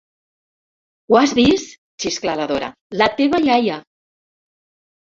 Ho has vist? —xiscla la Dora— La teva iaia!